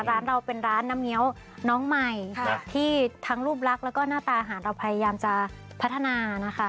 ร้านเราเป็นร้านน้ำเงี้ยวน้องใหม่ที่ทั้งรูปลักษณ์แล้วก็หน้าตาอาหารเราพยายามจะพัฒนานะคะ